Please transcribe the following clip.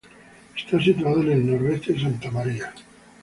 Está situado en el nordeste de Santa Maria.